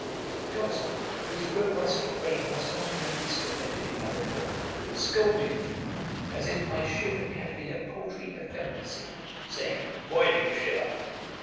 Johnson, whose robust frame was not in the least affected by the cold, scolded me, as if my shivering had been a paltry effeminacy, saying, 'Why do you shiver?'